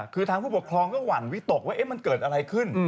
คือทางผู้ปกครองก็หวั่นวิตกว่ามันเกิดอะไรขึ้น